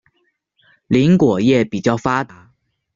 林果业比较发达。